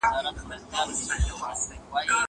سلیمانلایق